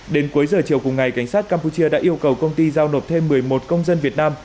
đến cuối giờ chiều cùng ngày cảnh sát campuchia đã yêu cầu công ty giao nộp thêm một mươi một công dân việt nam